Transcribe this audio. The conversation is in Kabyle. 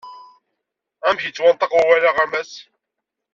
Amek yettwanṭaq wawal-a a mass?